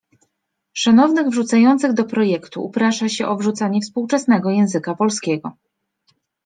Szanownych wrzucających do projektu uprasza się o wrzucanie współczesnego języka polskiego.